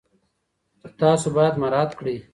چې تاسو باید مراعات کړئ.